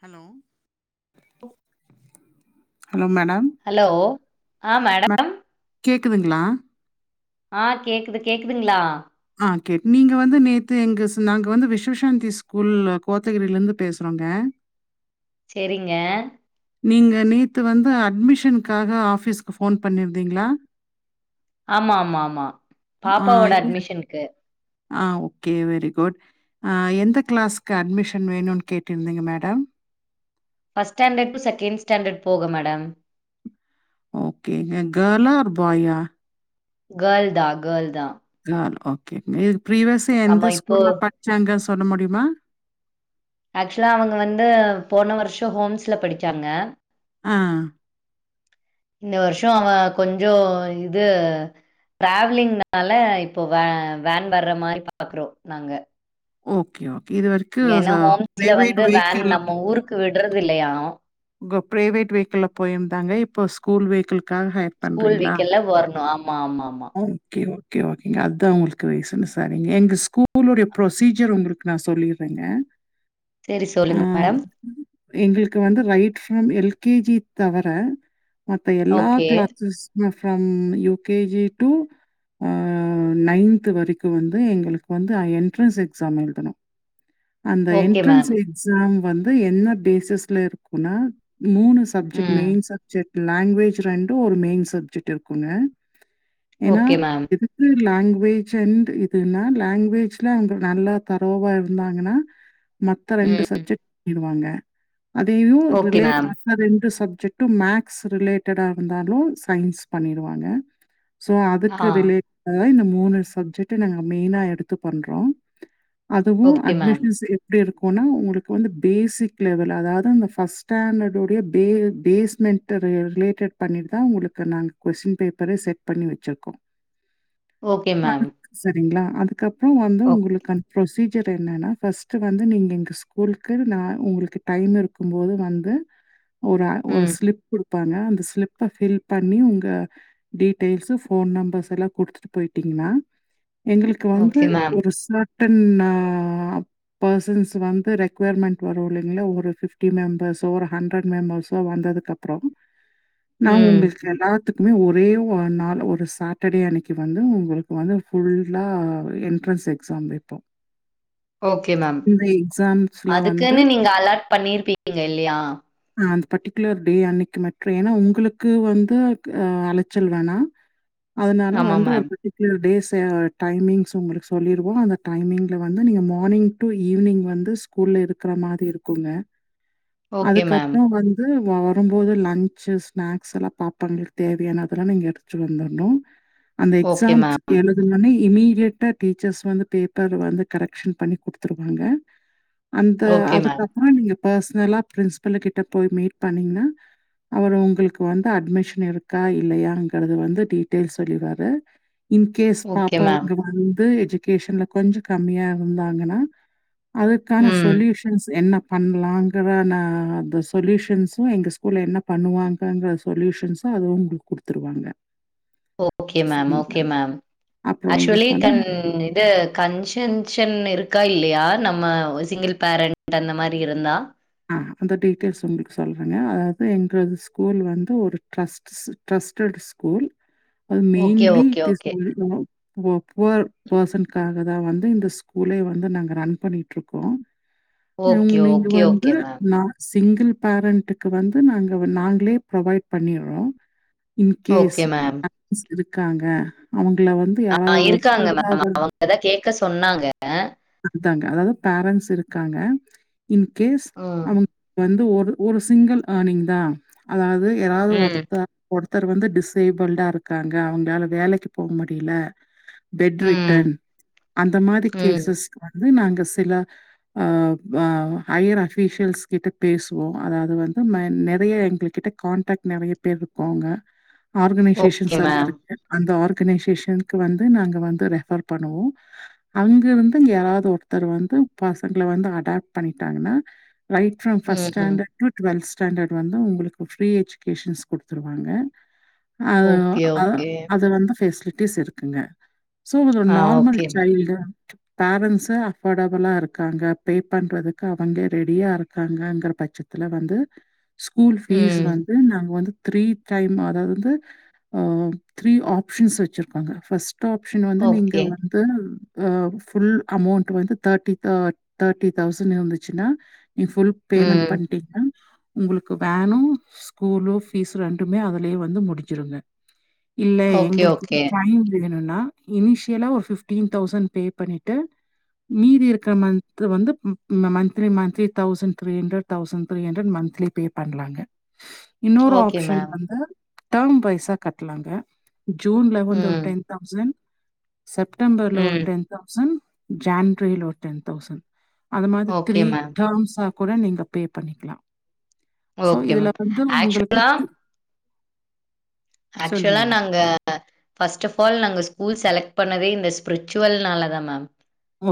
Hello ஓ hello madam hello ஆ மே ma'am கேக்குதுங்களா ஆ கேக்குது கேக்குதுங்களா ஆ கேக் நீங்க வந்து நேத்து எங்க நாங்க வந்து விஸ்வசாந்தி ஸ்கூல்ல கோத்தகிரிலருந்து பேசுறோங்க செரிங்க நீங்க நேத்து வந்து அட்மிஷனுக்காக ஆஃபீஸ்க்கு ஃபோன் பண்ணிருந்தீங்களா ஆமா ஆமா ஆமா ஆ பாப்பாவோட இல்ல அட்மிஷனுக்கு ஆ ஓகே வெரி குட் ஆ எந்த கிளாஸ்க்கு அட்மிஷன் வேணுன்னு கேட்டிருந்தீங்க madam first standard to second standard போக மேடம் ஓகேங்க கேர்ளா ஆர் பாயா கேர்ள்தா கேர்ள்தா கேர்ள் ஓகே இது பிரிவியஸ்ஸா ஆமா எந்த இப்போ ஸ்கூல்ல படிச்சாங்க சொல்ல முடியுமா ஆக்சுவலா அவங்க வந்து போன வருஷோ ஹோம்ஸ்ல படிச்சாங்க ஆ இந்த வருஷோ அவ கொஞ்சோ இது டிராவலிங்னால இப்போ வே வேன் வர்ற மாரி பாக்குறோ நாங்க ஓகே ஓகே இதுவரைக்கு ஏன்னா ஹோம்ஸ்ல வந்து வேன் நம்ம ஊருக்கு விடுறது இல்லையா அவங்க பிரைவேட் வெஹிகில்ல போயிருந்தாங்க இப்ப ஸ்கூல் வெஹிகில்க்காக ஸ்கூல் பண்றீங்களா வீக்கல்ல வரணு ஆமா ஆமா ஆமா ஓகே ஓ கே ஓகேங்க அதுதா உங்களுக்கு ரீசன்னு சரிங்க எங்க ஸ்கூலுடைய ப்ரொசீஜர் உங்களுக்கு நா சொல்லிர்றேங்க செரி ஆ சொல்லுங்க மேடம் எங்களுக்கு வந்து right from L K G தவர மத்த எல்லா okay classes from U K G to ah ninth வரைக்கு வந்து எங்களுக்கு வந்து என்ட்ரன்ஸ் எக்ஸாம் எழுதணு அந்த ஓகே என்ட்ரன்ஸ் மேம். எக்ஸாம் வந்து என்ன பேசிஸ்ல இருக்குன்னா மூணு சப்ஜெக்ட் ம். மெயின் சப்ஜெக்ட் லாங்குவேஜ் ரெண்டு ஒரு மெயின் சப்ஜெக்ட் இருக்குங்க ஏன்னா ஓகே மேம். இது லாங்குவேஜ் அண்ட் இதுன்னா லாங்குவேஜ்ல அங்க நல்லா தரவா இருந்தாங்கன்னா மத்த ரெண்டு ம். சப்ஜெக்ட் பண்ணிடுவாங்க அதயு ஓகே ரிலேட் மேம். மத்த ரெண்டு சப்ஜெக்ட்டு மேக்ஸ் ரிலேட்டேடா இருந்தாலு சயின்ஸ் பண்ணிடுவாங்க சோ அதுக்கு ஆ. ரிலேட்டேடா இந்த மூணு சப்ஜெக்ட்ட நாங்க மெயினா எடுத்து பண்றோ அதுவு ஓகே மேம். அட்மிஷன்ஸ் எப்டி இருக்குன்னா உங்களுக்கு வந்து பேசிக் லெவல் அதாவது அந்த ஃபர்ஸ்ட் ஸ்டாண்டர்ட் உடைய பே பேஸ்மெண்ட்ட ரிலேட்டேட் பண்ணிட்டு தா உங்களுக்கு நாங்க கொஷ்டின் பேப்பரே செட் பண்ணி வச்சுருக்கோ ஓகே மேம் சரிங்களா அதுக்கப்பறோ வந்து ஓக் உங்களுக்கு அந்த ப்ரொசீ சியர் என்னனா ஃபட்ஸ்க்கு வந்து நீங்க எங்க ஸ்கூல்க்கு நா உங்களுக்கு டைம் இரு கு போது வந்து ஒரு ஒரு ம். ஸ்லிப் குடுப்பாங்க அந்த ஸ்லிப்ப ஃபில் பண்ணி உங்க டீட்டெயில்சு ஃபோன் நம்பர்ஸ் எல்லா குடுத்துட்டு போய்டிங்கனா எங்களுக்கு வந்து ஓகே மேம். ஒரு ச டென் ஆ பாசன்ஸ் வந்து ரெக்கோயர்மெண்ட் வரு இல்லீங்ளா ஒரு ஃபிப் டி மெம்பர்ஸ்சோ ஒரு ஹண்ட்ரட் மெம்பர்ஸ்சோ வந்ததுக்கப்றோ நா ம். உங்களுக் கு எல்லாத்துக்குமே ஒரே ஒ நாள் ஒரு சாட்டடே அன்னைக்கி வந்து உங்களுக்கு வந்து ஃபுல்லா என்ட்ரன்ஸ் எக்ஸாம் வைப்போ ஒகே மேம் வந்து அதுக்குன்னு நீங்க அலாட் பண்ணிருப்பீங்க இல்லையா ஆ அந்த பட்டிகுலர் டே அன்னைக்கி மட்டு ஏனா உங்களுக்கு வந்து ஆ அலச்சல் வேணா அதுனால ஆமா வந்து ஒரு மேம். பெட்டி ஃபியுடேஸ் ஏ டைமிங்ஸ் உங்களுக்கு சொல்லிருவோ அந்த டைமிங்ல வந்து நீங்க மானிங் டு ஈவினிங் வந்து ஸ் கூல்ல இருக்கற மாதி இருக்குங்க ஓகே மேம். அதுக்கப்றோ வந்த் து வரம்போது லன்ச்சு ஸ்நாக்ஸ்லா பாப்பாங்களுக்கு தேவையானதெல்லா நீங்க எடுத்துட்டு வந்தர்னு அந்த ஓகே எக்ஸாம்ஸ் மேம். எழு இல்லனா இமீடியட்டா டீச்சர்ஸ் வந்து பேப்பர் வந்து கரெக்க்ஷன் பண்ணி குடுத்துருவாங்க அந்த ஓகே மேம். அதுக்கப்றோ நீங்க பர்சனலா பிரின்ஸ்பல்ல கிட்ட போய் மீட் பண்ணீங்னா அவரு உங்களுக்கு வந்து அட்மிஷன் இருக்கா இல்லையாங்கறது வந்து டீட்டெயல் சொல்லிர்வாரு இன்கேஸ் ஓகே பாப்பா மேம். அவங்க வந்து எஜிகேஷன்ல கொஞ்ச கம்மியா இருந்தாங்கனா அதுக்கான ம். சொல்யூஷன்ஸ் என்ன பண் லாங்கிற வ ந அந்த சொல்யூஷன்ஸு எங்க ஸ்கூல என்ன பண்ணுவாங்கங்கற சொல்யூஷன்ஸு அது உங்களுக்கு குடுத்துருவாங்க ஓகே மேம் சரிங்களா? ஓகே மேம் அப்புறம் ஆக்சுவலி உங்களுக்கு க வந்து இது கன்ஷன்ஷன் இருக்கா இல்லையா நம்ம சிங்கிள் பேரண்ட் அந்த மாரி இருந்தா ஆ அந்த டீட்டெயில்ஸ் உங்களுக்கு சொல்றங்க அதாவது எங்கது ஸ்கூல் வந்து ஒரு டரஸ் ட்ரஸ்டட் ஸ்கூல் அது okay, mainly okay, it's okay. ஒல் ஓ ஒ புவர் பர்சன்க்காக தா வந்து இந்த ஸ்கூலே வந்து நாங்க ரன் பண்ணிட்ருக்கோ ம் ஓகே, நீங்க ஓகே, வந்த் ஓகே மேம். நா சிங்கிள் பேரண்ட்டுக்கு வந்து நாங்க வ நாங்களே ப்ரொவைட் பண்ணிறோ இன்கேஸ் ஓகே மேம். ஆக்சிஸ் இருக்காங்க அவுங்கள வந்த் ஆ இருக்காங்க மேம் அவங்கதா கேக்க சொன்னாங்க அதாங்க அதாவது பேரன்ட்ஸ் இருக்காங்க இன்கேஸ் ம். அவுங் வந்து ஒரு ஒரு சிங்கிள் ஆர்னிங் தா அதாது யாராது ம். ஒர்த்தர் போ ஒருத்தர் வந்து டிசேபிள்டா இருக்காங்க அவுங்களால வேலைக்கி போ முடியில பெட் ம். ரிட்டன் அந்த மாரி ம். கேசஸ் கு வந்து நாங்க சில அ வ ஹையர் ஆப் ஃபீஷியல்ஸ் கிட்ட பேசுவோ அதாவது வந்து மை நெறைய எங்கள்க்கிட்ட கான்டாக்ட் நெறைய பேர் இருக்கு அங்க ஓகே ஆர்கனைசேஷன்ஸ் எல்லா மேம். இருக்கு அந்த ஆர்கனைசேஷன்க் வந்து நாங்க வந்து ரெஃபர் பண்ணுவோ அங்க இருந்து யாராவது ஒருத்தர் வந்து பசங்கள வந்து அடாப்ட் பண்ணிட்டாங்னா ரைட் ப்ரம் ஃப்ட்ஸ் ம், ம். டாண்டட் டு டு்வெல்த் ஸ்டாண்டட் வந்து உங்களுக்கு ஃப்ரீ எஜுகேஷன்ஸ் குடுத்துருவாங்க அது ஓகே, அ ஓகே. அது வந்து ஃபெசிலிட்டிஸ் இருக்குங்க சோ அப்ப அந்த ஆ normal okay ma'am. Child parents அஃபோர்டபுளா இருக்காங்க பே பண்றதுக்கு அவுங்க ரெடியா இருக்காங்கங்கிற பட்சத்துல வந்து ஸ்கூல் ஃபீஸ் ம். வந்து வந்து நாங்க வந்து த்ரீ டைம் அத வந்து த்ரீ ஆப்ஷன்ஸ் வச்சிருக்காங்க ஃபர்ஸ்ட் ஆப்ஷன் வந்து நீங்க ஓகே. அ ஆ ஃபுல் அமௌண்ட் வந்து தேர்ட்டி தேர்ட்டி தௌசண்ட் இருந்துச்சுன்னா நீ ஃபுல் பேமெண்ட் ம். பண்ணிட்டீங்கனா உங்களுக்கு வேனும் ஸ்கூலு ஃபீஸ் ரெண்டுமே அதுலயே வந்து முடிஞ்சுருங்க இல்லை ஓகே, எங்களுக்கு வந்து ஓகே. டயின் வேணுன்னா இனிஷியலா ஒரு பிஃப்டீன் தௌசண்ட் பே பண்ணிட்டு மீதி இருக்குற மந்த் வந்து மந் monthly thousand three hundred thousand three hundred monthly pay பண்லாங்க இன்னொரு ஓகே ஆப்ஷன் மேம். வந்து டர்ம் வைஸா கட்டலாங்க ஜூன்ல வந்து ஒரு ம். டென்த் தௌசண்ட் செப்டம்பர்ல ஒரு ம். டென் தௌசண்ட் ஜன்வரியில ஒரு டென் தௌசண்ட் அது மாதிரி ஓகே த்ரீ மேம். தௌசனா கூட நீங்க பே பண்ணிக்கலாம் சோ ஓகே இதுல மேம். வந்து உங்களுக்கு ஆக்சுவலா சொல்லுங்க ஆக்சுவலா மேம். நாங்க ஃபர்ஸ்ட் ஆஃப் ஆல் நாங்க ஸ்கூல் செலக்ட் பண்ணதே இந்த ஸ்பிரிச்சுவல்னால தா மேம்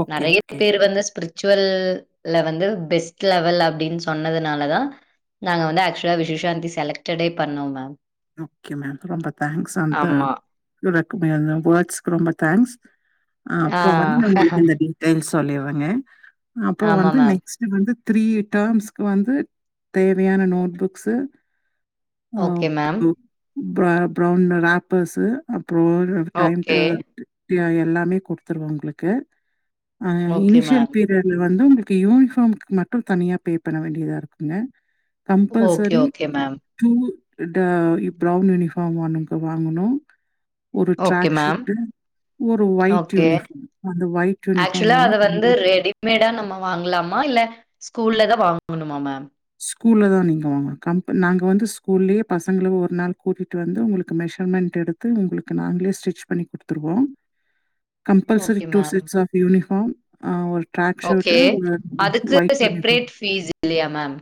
ஓகே, நிறைய ஓகே. பேரு வந்து ஸ்பிரிஜ் ஜ்சுவல் வந்து பெஸ்ட் லெவல் அப்படின்னு சொன்னதுனாலதா நாங்க வந்து ஆக்சுவலா விஷவசாந்தி செலக்டடே பண்ணோ மேம் ஓகே மேம் ரொம்ப தேங்க்ஸ் அந்த ஆமா எல்லாருக்குமே அந்த வேட்ஸ்க்கு ரொம்ப தேங்க்ஸ் ஆ அப்புறம் வந்து நம்மளுக்கு இந்த தென் சொல்லிருவங்க அப்புறம் ஆமா வந்து மேம் நெக்ஸ்ட் வந்து த்ரீ டர்ம்ஸ்க்கு வந்து தேவையான note books okay ma'am [unintelligible] time டே ஓகே எல்லாமே கொடுத்துருவ உங்களுக்கு ஆ ஓகே இனிஷியல் மேம் பே அதுல வந்து உங்களுக்கு யூனிஃபார்ம்க்கு மட்டும் தனியா பே பண்ண வேண்டியதா இருக்குங்க okay compulsory okay ma'am two brown uniform ஒண்ணு வாங்கணும் ஒரு ஓகே ட்ரக் மேம் ஷீட் ஒரு ஒயிட் ஓகே யூனிஃபார்ம் அந்த ஒயிட் யூனிஃபார்ம் வந்து கண்டி மேடா நம்ம வாங்கலாமா இல்ல ஸ்கூல்ல தா வாங்கணுமா மேம் ஸ்கூல்ல தா நீங்க வாங்கனு கம்பள் நாங்க வந்து ஸ்கூல்லயே பசங்கள ஒரு நாள் கூட்டிட்டு வந்து உங்களுக்கு மெஷர்மெண்ட் எடுத்து உங்களுக்கு நாங்களே ஸ்டிச் பண்ணி குடுத்துருவோம் compulsory okay two ma'am sets of uniform ஆ ஒரு ட்ராக் ஓகே ஷூட்டு ஒரு அதுக்கு ஒயிட் யூனிஃபார்ம் செப்ரேட் ஃபீஸ் இல்லையா மேம்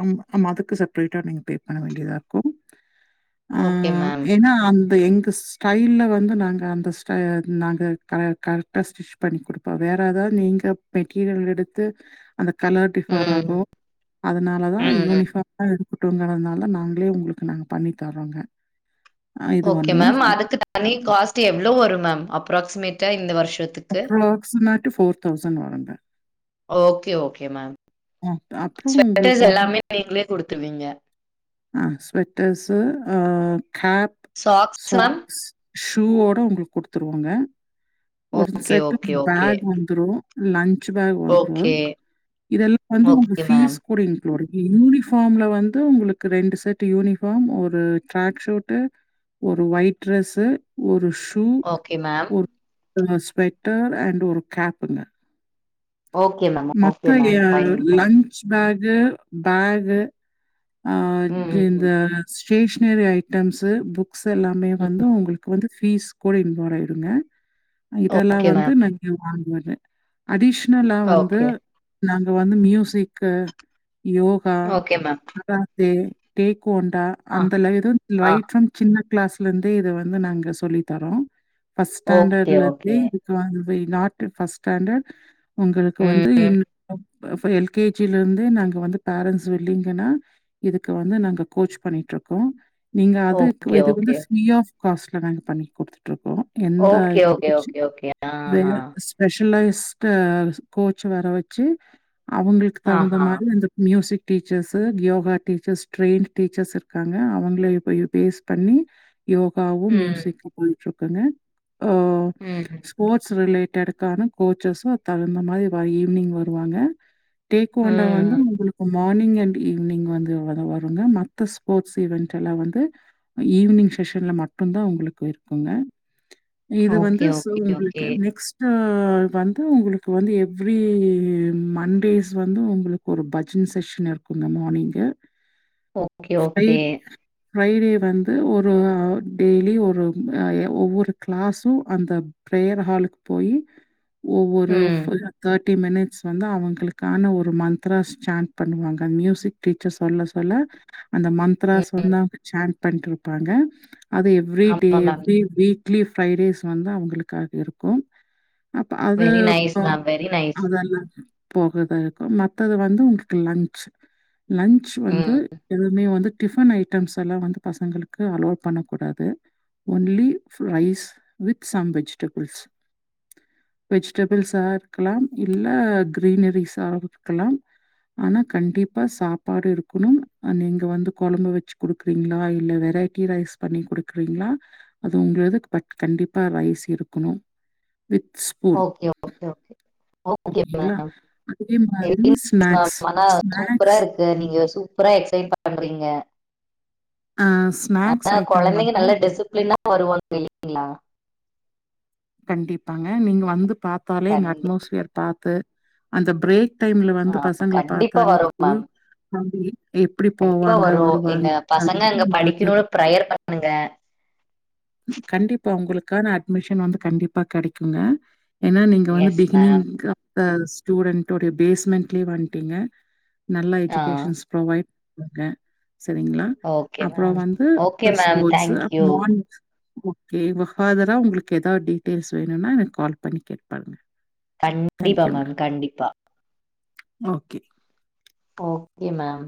ஆ ஆமா அதுக்கு செப்ரேட்டா நீங்க பே பண்ண வேண்டியதாக இருக்கும் ஆ ஓகே மேம் ஏன்னா அந்த எங்க டைல வந்து நாங்க அந்த ஸ்டை நாங்க கரெக்டாக ஸ்டிச் பண்ணி குடுப்போம் வேறு ஏதாவது நீங்க மெட்டீரியல் எடுத்து அந்த கலர் டிஃபர் ம் ஆகும் அதனால தா ம் ம் யூனிஃபார்ம்லா இருக்கட்டுங்கறதுனால நாங்களே உங்களுக்கு நாங்க பண்ணி தர்றோங்க அ இது ஓகே ஒண்ணுங்க. மேம் அதுக்கு தனி காஸ்ட் எவ்வளோ வரும் மேம் அப்ராக்சிமேட்டா இந்த வருஷத்து அப்ராக்சிமேட்டு ஃபோர் தௌசண்ட் வருங்க ஓகே ஓகே மேம் அ அப்புறம் உங்களுக்கு ஸ்வட்டர்ஸ் வந்து எல்லாமே நீங்களே குடுத்துவீங்க ஆ ஸ்வெட்டர்ஸ்ஸு ஆ ஹேட் சாக்ஸ் ஷூவோட உங்ளுக்கு குடுத்துருவாங்க ஒரு okay, set okay, okay. Bag வ ந்துரு லன்ச் பேக் வந்துரு ஓகே, இதெல்லா வந்து உங்க ஓகே ஃபீஸ் மேம். கூடின் இன்க்ளுடிங் யூனிஃபார்ம்ல வந்து உங்ளுக்கு ரெண்டு செட்டு யூனிஃபார்ம் ஒரு ட்ராக் ஷுட்டு ஒரு ஒயிட் ட்ரெஸ்ஸு ஒரு ஷூ ஓகே மேம் அப்றோ ஸ்வெட்டர் அன்டு ஒரு கேப்புங்க ஓகே மேம் ஓகே மேம். மக்கயா fine, fine. Lunch bag bag ஆ ம், இது ம், இந்த ம். ஸ்டேஷ்னரி ஐட்டம்ஸ்ஸு புக்ஸ் எல்லாமே ம். வந்து உங்ளுக்கு வந்து ஃபீஸ் கூட இன்வால்வ் ஆய்டுங்க இதெல்லா ஓகே வந்து மேம். நா இங்க வாங்குவேங்க அடிஷ்னலா வந் ஓகே. நாங்க வந்து music yoga okay ma'am. Karate taekwondo ஆ, அந்த லைடுன் ஆ. லைட்டுன் சின்ன கிளாஸ்லந்தே இத வந்து நாங்க சொல்லி தரோ ஃபர்ஸ்ட் ஓகே, ஸ்டான்டர்ட்லந்தே ஓகே. இது காகவே நாட்ரி ஃபர்ஸ்ட் ஸ்டான்டர்ட் ஒங்களுக்கு ம். வந்து இ வஃப எல் கே ஜி லந்தே நாங்க வந்து பேரன்ட்ஸ் வெல்லிங்கன்னா இதுக்கு வந்து நாங்க கோச் பண்ணிட்ருக்கோ நீங்க அதுக்கு ஓகே, இது வந்து ஓகே. ஃப்ரீ ஆஃப் காஸ்ட்ல நாங்க பண்ணி குடுத்துட்ருக்கோ எந்தாயி okay, okay, coach okay, okay. ஆஹா. வேஸ் ஸ்பெஷலைஸ்ட்டு கோச்ச வர வச்சு அவுங்களுக்கு தகுந்த ஆஹா. மாரி அந்த music teachers yoga teachers train teachers இருக்காங்க அவுங்கள இப்பயு பேஸ் பண்ணி யோகாவு ம். மியூசிக்கு போய்ட்ருக்குனு ஆ ம் ஹும் ஸ்போர்ட்ஸ் ரிலேட்டடுக்கான கோச்சஸு அது தகுந்த மாரி வா ஈவ்னிங் வருவாங்க டேக் ஓன்டா வந்து ம். உங்களுக்கு மா மார்னிங் அன்ட் ஈவ்னிங் வந்து வரு வருங்க மத்த ஸ்போர்ட்ஸ் ஈவென்ட்டெல்லா வந்து ஈவ்னிங் செஷன்ல மட்டுந்தா உங்களுக்கு இருக்குங்க இது வந்து ஓகே, ஸோ ஓகே, ஓகே. உங்ளுக்கு நெக்ஸ்ட்டு‌ வந்து உங்ளு க்கு வந்து எவ்ரி மன்டேஸ் வந்து உங்ளுக்கு ஒரு பஜன் செஷன் இருக்குங்க மார்னிங்கு ஓகே, ஃப்ரை ஓகே. டே ஃப்ரைடே வந்து ஒரு டெய்லி ஒரு ஆ ய ஒவ்வொரு கிளாஸு அந்த ப்ரேயர் ஹாலுக்கு போய் ஒவ்வொரு ம். தேர்ட்டி மினிட்ஸ் வந்து அவுங்களுக்கான ஒரு மந்த்ராஸ் ஸ்டான் பண்ணுவாங்க மியூசிக் டீச்சர் சொல்ல சொல்ல அந்த ம். மந்த்ராஸ் வந்து அவுங்க சான் பண்ட்ருப்பாங்க அது எவ்ரி டே ஆமா மேம். எவ்ரி வீ க்லி ஃப்ரை டேஸ் வந்து அவுங்களுக்காக இருக்கு அப்ப அது நா வெரி நைஸ் லல்லா போகதாருக்கு மத்தது வந்து உங்களுக்கு லன்ச் லன்ச் வந்து ம். எதுமே வந்து டிஃபன் ஐட்டம்ஸ் எல்லா வந்து பசங்களுக்கு அலோ பண்ணக்கூடாது only rice with some vegetables வெஜிட பிள்ஸா இருக்கலா இல்ல கிரீனரிஸா இருக்கலா ஆனா கண்டிப்பா சாப்பாடு இருக்கணு ஆ நீங்க வந்து கொழம்பு வச்சு குடு க்றீங்ளா இல்ல வெரைட்டி ரைஸ் பண்ணி குடுக்குறீங்ளா அது உங்களது பட் கண்டிப்பா ரைஸ் இருக்கனு with spoon okay, okay okay [inaudible] ஓகேங்களா? அதே மாதிரி ஸ்நாக்ஸ் னால சூப்பரா ஸ்நாக்ஸ் இருக்கு [unintelligible] நீங்க சூப்பரா எக்ஸைன் பண்றீங்க அ அக்கா ஸ்நாக்ஸ் அந்த ஐட்டம் குழந்தைங்க வந்து நல்லா டிஸ்பிளினா வருவாங்க தெரியுங்களா கண்டிப்பாங்க நீங்க வந்து பாத்தாலே எங்க கண்டிப்பா. அட்மாஸ்பியர் பாத்து அந்த பிரேக் டைம்ல வந்து பசங்களை கண்டிப்பா பாத்தாலே வரும் தெரியு மேம். [inaudible] எப்டி கண்டிப்பா போவாங்க வரும். எங்க வருவாங்க அ பசங்க அங்க [inaudible] உங்களுக்கு படிக்கணும்னு ப்ரேயர் பண்ணுங்க. கண்டிப்பா உங்களுக்கான அட்மிஷன் வந்து கண்டிப்பா கெடைக்குங்க ஏன்னா நீங்க வந்து எஸ் பிகினிங் மேம். ஸ்டூடெண்டோடைய பேஸ்மெண்ட்லயே வண்ட்டீங்க நல்லா ஆ. எஜுகேஷன்ஸ் ப்ரொவைட் பண்ணுவாங்க சரிங்களா ஓகே அப்பறோ மேம். வந்து okay ma'am. Sports thank uh you. Mornings okay ஃபாதரா உங்களுக்கு ஏதாவது டீட்டெயில்ஸ் வேணும்னா எனக்கு கால் பண்ணி கேப்பாருங்க கண்டிப்பா மேம் கண்டிப்பா ஓகே ஓகே மேம்